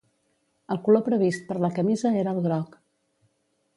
El color previst per la camisa era el groc.